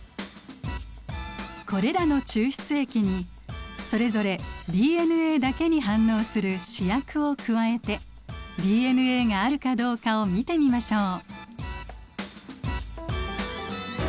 これらの抽出液にそれぞれＤＮＡだけに反応する試薬を加えてＤＮＡがあるかどうかを見てみましょう。